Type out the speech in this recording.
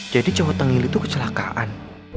jadi cowok tengil itu kecelakaan